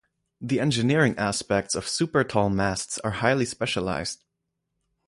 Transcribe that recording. The engineering aspects of super-tall masts are highly specialized.